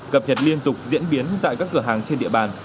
cập nhật liên tục diễn biến tại các cửa hàng trên địa bàn